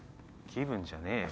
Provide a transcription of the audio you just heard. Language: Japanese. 気分じゃねえよ。